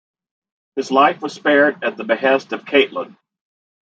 His life was spared at the behest of Catelyn.